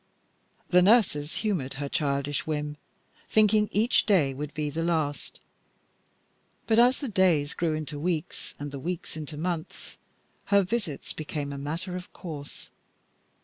The nurses humored her childish whim, thinking each day would be the last; but as the days grew into weeks and the weeks into months, her visits became a matter of course.